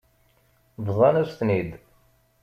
Bḍan-as-ten-id.